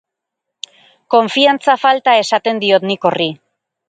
Konfiantza-falta esaten diot nik horri.